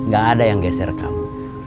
gak ada yang geser kamu